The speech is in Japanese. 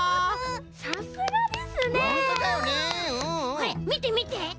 これみてみて！